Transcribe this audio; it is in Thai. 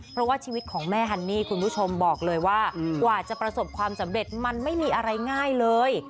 เพราะว่าชีวิตของแม่ฮันนี่คุณผู้ชมบอกเลยว่ากว่าจะประสบความสำเร็จมันไม่มีอะไรง่ายเลย